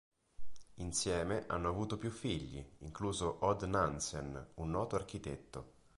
Insieme hanno avuto più figli, incluso Odd Nansen, un noto architetto.